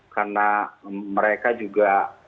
karena mereka juga